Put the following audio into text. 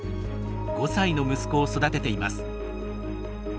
５歳の息子を育てています。